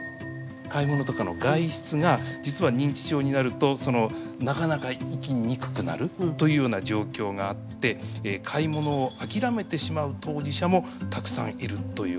買い物とかの外出が実は認知症になるとなかなか行きにくくなるというような状況があって買い物を諦めてしまう当事者もたくさんいるということなんですね。